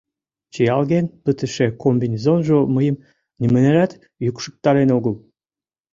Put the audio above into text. Чиялген пытыше комбинезонжо мыйым нимынярат йӱкшыктарен огыл.